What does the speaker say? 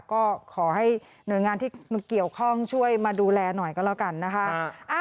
ก็ขอให้หน่วยงานที่เกี่ยวข้องช่วยมาดูแลหน่อยก็แล้วกันนะคะ